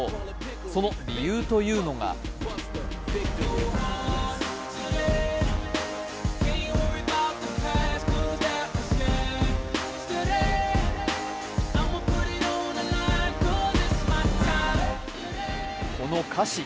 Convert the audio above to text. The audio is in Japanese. その理由というのがこの歌詞。